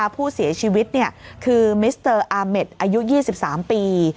ผู้เสียชีวิตคือมิสเตอร์อาเมดอายุ๒๓ปี